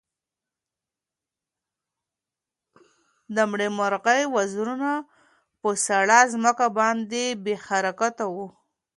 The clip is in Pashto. د مړې مرغۍ وزرونه په سړه ځمکه باندې بې حرکته وو.